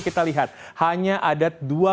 kita lihat hanya ada dua